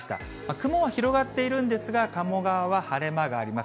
雲は広がっているんですが、鴨川は晴れ間があります。